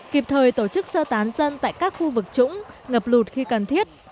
kịp thời tổ chức sơ tán dân tại các khu vực trũng ngập lụt khi cần thiết